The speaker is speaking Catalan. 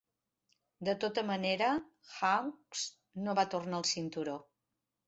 De tota manera, Hawx no va tornar el cinturó.